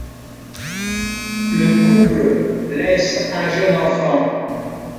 Le couple laisse un jeune enfant.